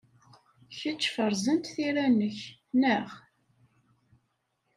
Kečč feṛzent tira-nnek, naɣ?